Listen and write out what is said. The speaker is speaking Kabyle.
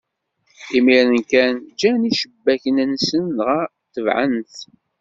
Imiren kan, ǧǧan icebbaken-nsen, dɣa tebɛen-t.